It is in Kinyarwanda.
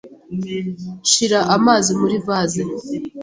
Shira amazi muri vase.